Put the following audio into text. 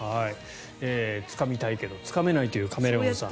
つかみたいけどつかめないというカメレオンさん。